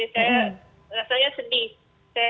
saya rasanya sedih